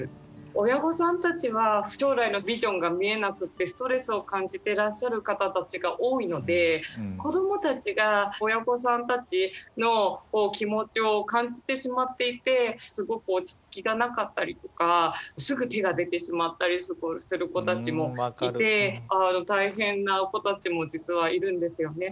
親御さんたちは将来のビジョンが見えなくってストレスを感じてらっしゃる方たちが多いので子どもたちが親御さんたちの気持ちを感じてしまっていてすごく落ち着きがなかったりとかすぐ手が出てしまったりする子たちもいて大変な子たちも実はいるんですよね。